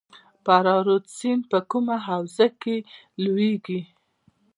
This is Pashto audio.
فرا رود سیند په کومه حوزه کې لویږي؟